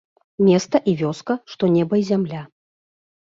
Места і вёска, што неба і зямля.